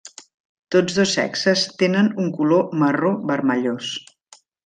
Tots dos sexes tenen un color marró-vermellós.